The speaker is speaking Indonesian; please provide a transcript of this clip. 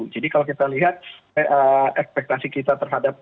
jadi kalau kita lihat ekspektasi kita terhadap ekspektasi kami terhadap iasg